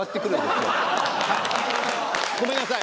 ごめんなさい。